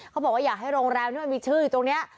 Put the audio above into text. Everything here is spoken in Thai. เขาบอกว่าอยากให้โรงแรมที่มันมีชื่ออยู่ตรงนี้